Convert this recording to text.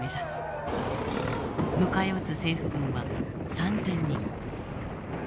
迎え撃つ政府軍は３，０００人。